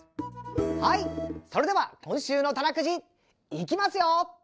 はいそれでは今週の「たなくじ」いきますよ！